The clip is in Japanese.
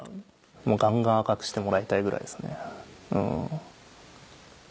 ガンガン赤くしてもらいたいぐらいですよねうん。